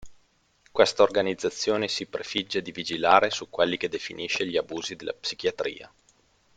Questa organizzazione si prefigge di vigilare su quelli che definisce gli abusi della psichiatria.